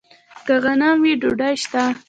که غنم وي، ډوډۍ شته.